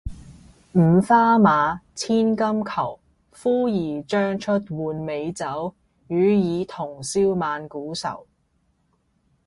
五花馬，千金裘，呼兒將出換美酒，與爾同銷萬古愁